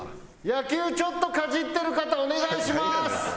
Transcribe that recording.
野球ちょっとかじってる方お願いします。